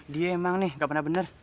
dia emang nih gak pernah bener